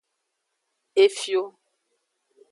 Efio.